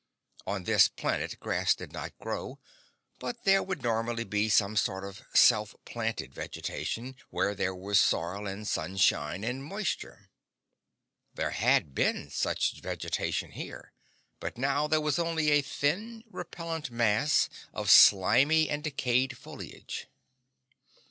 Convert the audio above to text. On this planet grass did not grow; but there would normally be some sort of self planted vegetation where there was soil and sunshine and moisture. There had been such vegetation here, but now there was only a thin, repellent mass of slimy and decaying foliage.